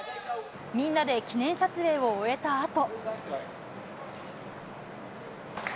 みんなで記念撮影を終えたあと。